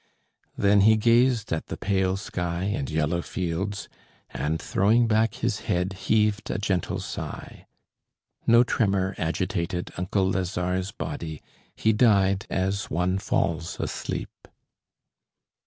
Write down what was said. Then he gazed at the pale sky and yellow fields, and, throwing back his head, heaved a gentle sigh. No tremor agitated uncle Lazare's body; he died as one falls asleep.